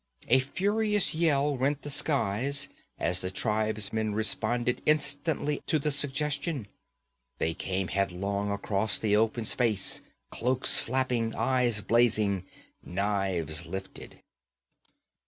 A furious yell rent the skies as the tribesmen responded instantly to the suggestion. They came headlong across the open space, cloaks flapping, eyes blazing, knives lifted.